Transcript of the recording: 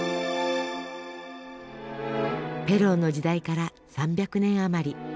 ペローの時代から３００年余り。